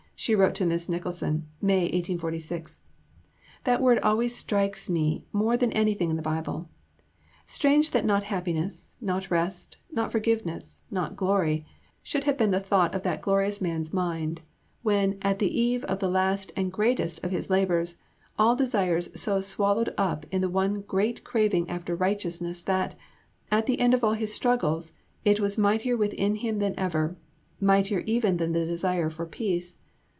she wrote to Miss Nicholson (May 1846). "That word always strikes me more than anything in the Bible. Strange that not happiness, not rest, not forgiveness, not glory, should have been the thought of that glorious man's mind, when at the eve of the last and greatest of his labours; all desires so swallowed up in the one great craving after righteousness that, at the end of all his struggles, it was mightier within him than ever, mightier even than the desire of peace.